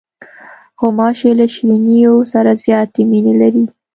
غوماشې له شیرینیو سره زیاتې مینې لري.